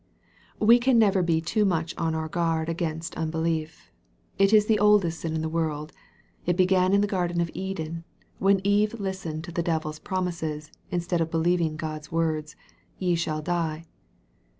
We can never be too much on our guard against un belief. It is the oldest sin in the world. It began in the garden of Eden, when Eve listened to the devil's prom ises, instead of believing God's words, " ye shall die."